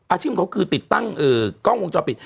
อาชีพเขาคือติดตั้งกล้องวงจรปิด